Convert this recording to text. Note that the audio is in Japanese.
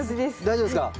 大丈夫ですか？